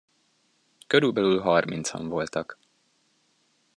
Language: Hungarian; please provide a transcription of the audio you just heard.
Körülbelül harmincan voltak.